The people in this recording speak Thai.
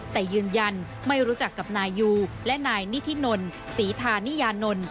แต่ยืนยันไม่รู้จักกับนายยูและนายนิธินนศรีธานิยานนท์